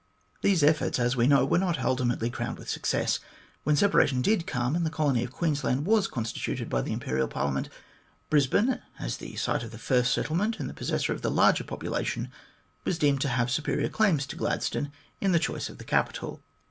These efforts, as we know, were not ultimately crowned with success. When separation did come, and the colony of Queensland was constituted by the Imperial Parliament, Brisbane, as the site of the first settle ment and the possessor of the larger population, was deemed to have superior claims to Gladstone in the choice of the capital.